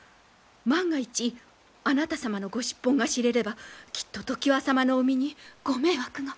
万が一あなた様のご出奔が知れればきっと常磐様のお身にご迷惑が。